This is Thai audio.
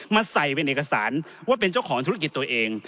ใส่เป็นเอกสารว่าเป็นเจ้าของธุรกิจตัวเอง